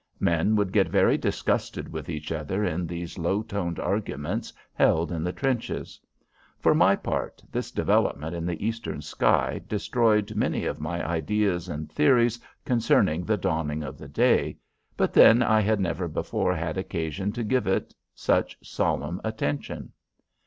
Men would get very disgusted with each other in these low toned arguments held in the trenches. For my part, this development in the eastern sky destroyed many of my ideas and theories concerning the dawning of the day; but then I had never before had occasion to give it such solemn attention.